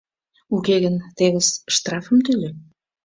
Уке гын, тевыс, штрафым тӱлӧ.